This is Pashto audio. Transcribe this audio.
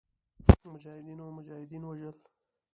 مجاهدینو مجاهدین وژل.